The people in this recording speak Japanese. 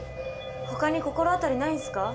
他に心当たりないんすか？